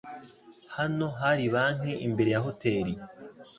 Hano hari banki imbere ya hoteri.